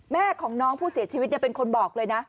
แม่ของน้องผู้เสียชีวิตเป็นคนบอกเลยนะ